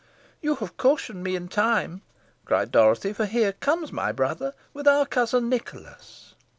"You have cautioned me in time," cried Dorothy, "for here comes my brother with our cousin Nicholas."